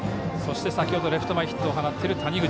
先ほどレフト前ヒットを放っている谷口。